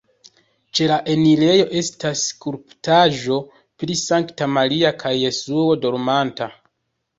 Ĉe la enirejo estas skulptaĵo pri Sankta Maria kaj Jesuo dormanta.